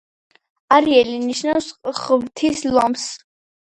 არიელი ნიშნავს „ღვთის ლომს“.